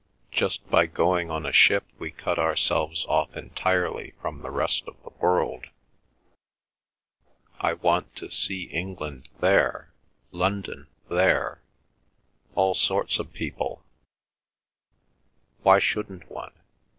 Just by going on a ship we cut ourselves off entirely from the rest of the world. I want to see England there—London there—all sorts of people—why shouldn't one?